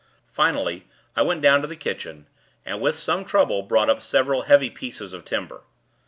Finally, I went down to the kitchen, and with some trouble, brought up several heavy pieces of timber.